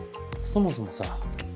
そもそもさ